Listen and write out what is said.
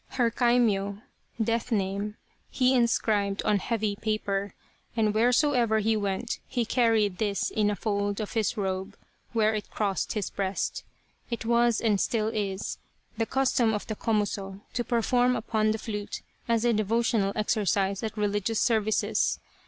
Her kaimyo (death name) he inscribed on heavy paper, and where soever he went he carried this in a fold of his robe where it crossed his breast. It was, and still is, the custom of the Komuso to perform upon the flute as a devotional exercise at religious services.